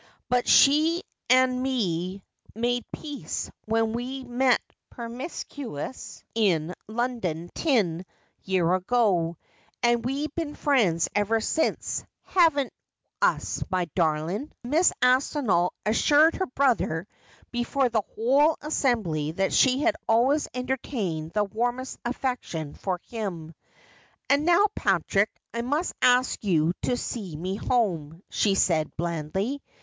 'But she and me made pace when we met permiscuous in London tin year ago, and we've been friends ever since, — haven't ns, mv darlin' ?' 360 Just as I Am. Mrs. Aspinall assured her brother, before the whole assembly that she had always entertained the warmest affection for him. ' And now, Patrick, I must ask you to see me home,' she said blandly.